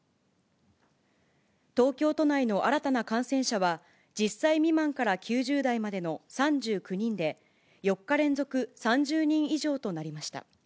東京都内の新たな感染者は、１０歳未満から９０代までの３９人で、４日連続３０人以上となりました。